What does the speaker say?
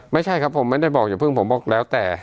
ไม่ใช่ครับผมไม่ได้บอกอย่าเพิ่งผมบอกแล้วแต่